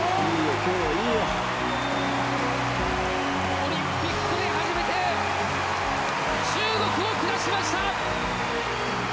オリンピックで初めて中国を下しました。